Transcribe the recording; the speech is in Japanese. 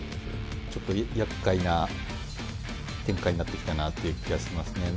ちょっとやっかいな展開になってきたなっていう気がしますね。